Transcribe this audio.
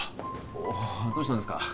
おおどうしたんですか？